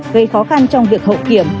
gây khó khăn trong việc hậu kiểm